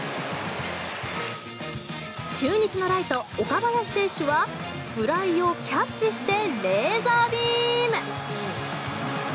中日のライト、岡林選手はフライをキャッチしてレーザービーム！